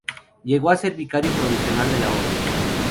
Llegó a ser vicario provincial de la orden.